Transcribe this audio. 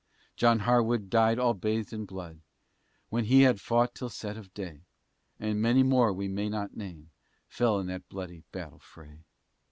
John Harwood died all bathed in blood, When he had fought, till set of day; And many more we may not name, Fell in that bloody battle fray.